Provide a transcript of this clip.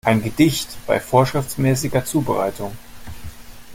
Ein Gedicht bei vorschriftsmäßiger Zubereitung.